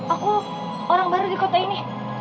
aku orang baru di kota ini